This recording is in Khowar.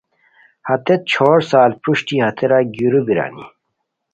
ہتیت چھور سال پروشٹی ہتیرا گیرو بیرانی